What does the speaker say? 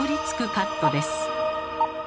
カットです。